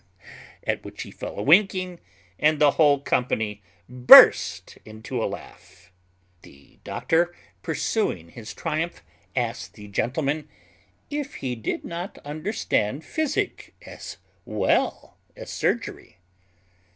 (At which he fell a winking, and the whole company burst into a laugh.) The doctor pursuing his triumph, asked the gentleman, "If he did not understand physic as well as surgery."